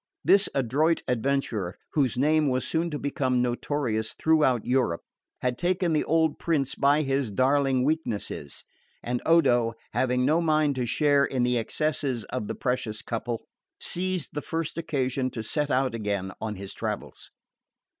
This adroit adventurer, whose name was soon to become notorious throughout Europe, had taken the old prince by his darling weaknesses, and Odo, having no mind to share in the excesses of the precious couple, seized the first occasion to set out again on his travels.